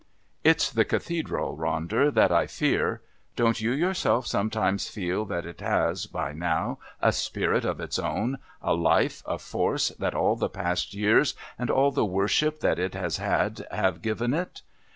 "It's the Cathedral, Ronder, that I fear. Don't you yourself sometimes feel that it has, by now, a spirit of its own, a life, a force that all the past years and all the worship that it has had have given it?